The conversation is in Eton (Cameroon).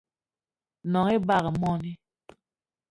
Gnong ebag í moní